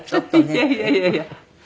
いやいやいやいや。